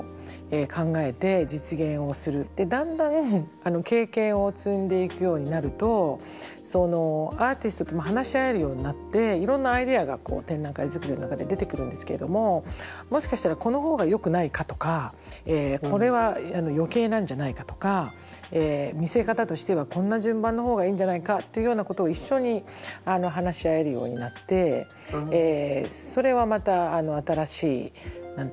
だんだん経験を積んでいくようになるとアーティストとも話し合えるようになっていろんなアイデアが展覧会作りの中で出てくるんですけれどももしかしたらこのほうがよくないかとかこれは余計なんじゃないかとか見せ方としてはこんな順番のほうがいいんじゃないかというようなことを一緒に話し合えるようになってそれはまた新しい何て言うのかな？